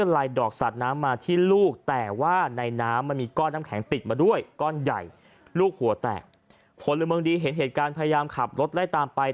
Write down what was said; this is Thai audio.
ร่อนใหญ่ลูกหัวแตกผลละเมืองดีเห็นเหตุการณ์พยายามขับรถไล่ตามไป